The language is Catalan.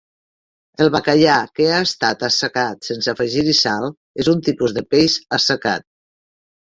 El bacallà que ha estat assecat sense afegir-hi sal és un tipus de peix assecat.